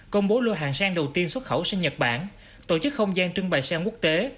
công bố lô hàng sen đầu tiên xuất khẩu sang nhật bản tổ chức không gian trưng bày sen quốc tế